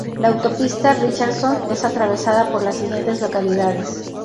La autopista Richardson es atravesada por las siguientes localidades.